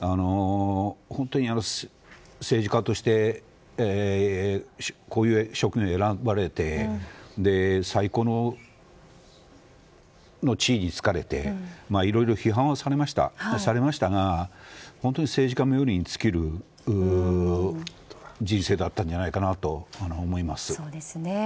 本当に政治家としてこういう職を選ばれて最高の地位に就かれていろいろ批判はされましたが政治家冥利に尽きる人生だったんじゃないかと思います。